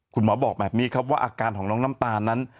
บอกแบบนี้ครับว่าอาการของน้องน้ำตาลนั้น